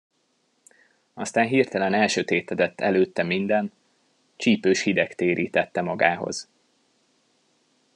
Aztán hirtelen elsötétedett előtte minden: Csípős hideg térítette magához.